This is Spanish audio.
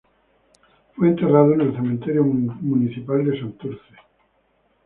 Fue enterrado en el Cementerio Municipal de Santurce.